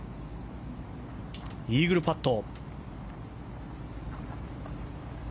イーグルパット。